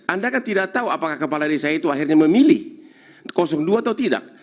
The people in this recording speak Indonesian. anda kan tidak tahu apakah kepala desa itu akhirnya memilih dua atau tidak